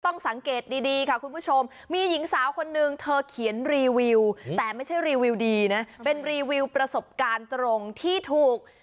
ต้องสังเกตดีค่ะคุณผู้ชมมีหญิงสาวคนนึงเธอเขียนรีวิวแต่ไม่ใช่รีวิวดีนะเป็นรีวิวประสบการณ์ตรงที่ถูก